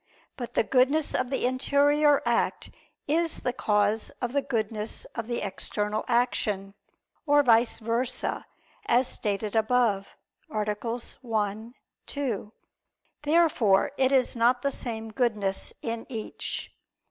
But the goodness of the interior act is the cause of the goodness of the external action, or vice versa, as stated above (AA. 1, 2). Therefore it is not the same goodness in each.